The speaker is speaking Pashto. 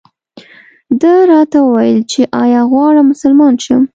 ده راته وویل چې ایا غواړم مسلمان شم.